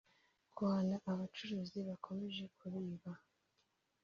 guhana abo bacuruzi bakomeje kubiba